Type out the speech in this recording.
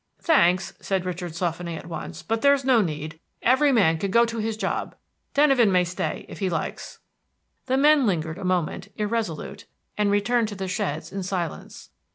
"Thanks," said Richard, softening at once, "but there's no need. Every man can go to his job. Denyven may stay, if he likes." The men lingered a moment, irresolute, and returned to the sheds in silence.